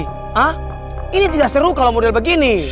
ah ini tidak seru kalau model begini